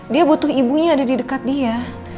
dia butuh ibunya ada di dekat dia